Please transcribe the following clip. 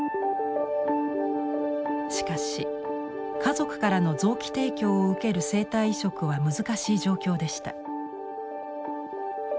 しかし家族からの臓器提供を受ける生体移植は難しい状況でした。